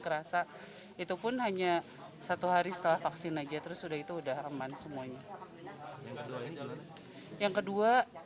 kerasa itu pun hanya satu hari setelah vaksin aja terus udah itu udah aman semuanya yang kedua